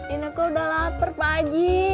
ineku udah lapar pak haji